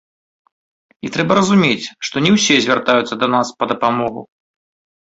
І трэба разумець, што не ўсе звяртаюцца да нас па дапамогу.